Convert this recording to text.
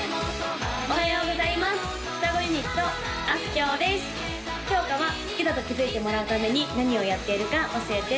きょうかは好きだと気づいてもらうために何をやっているか教えて？